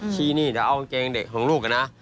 ชี้นี่เดี๋ยวเอากางเกงเด็กของลูกนะ